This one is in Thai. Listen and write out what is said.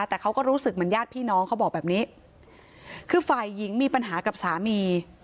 แต่เขาก็รู้สึกเหมือนญาติพี่น้องเขาบอกแบบนี้คือฝ่ายหญิงมีปัญหากับสามี